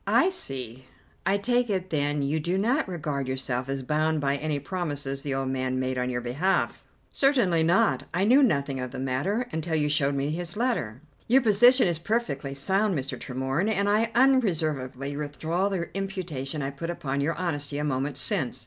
"I see. I take it then you do not regard yourself as bound by any promises the old man made on your behalf?" "Certainly not. I knew nothing of the matter until you showed me his letter." "Your position is perfectly sound, Mr. Tremorne, and I unreservedly withdraw the imputation I put upon your honesty a moment since.